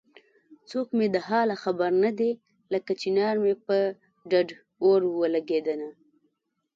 څوک مې د حاله خبر نه دی لکه چنار مې په ډډ اور ولګېدنه